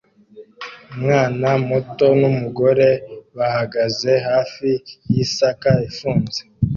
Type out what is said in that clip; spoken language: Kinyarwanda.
Umwana muto numugore bahagaze hafi yisake ifunze